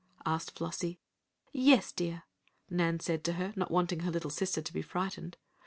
asked Flossie. "Yes, dear," Nan said to her, not wanting her little sister to be frightened.